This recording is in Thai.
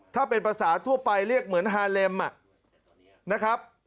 ถ้าเป็นภาษาทั่วไปเรียกเหมือนฮาเลมนะครับ